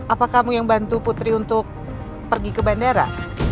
apa kamu yang bantu putri untuk pergi ke bandara